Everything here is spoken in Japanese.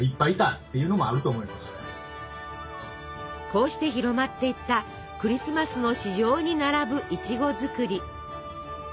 こうして広まっていったクリスマスの市場に並ぶいちご作り。